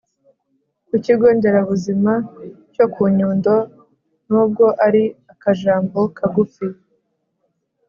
ku kigo ndera buzima cyo ku nyundo. n’ubwo ari akajambo kagufi,